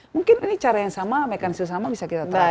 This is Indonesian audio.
mungkin ini cara yang sama mekanisme sama bisa kita tahu